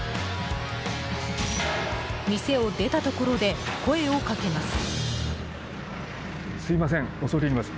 店を出たところで声をかけます。